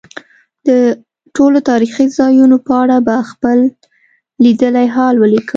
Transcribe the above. د ټولو تاریخي ځایونو په اړه به خپل لیدلی حال ولیکم.